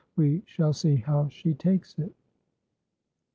We shall see how she takes it."